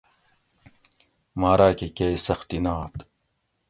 ما راۤکۤہ کۤئ سختی نات